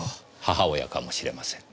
母親かもしれません。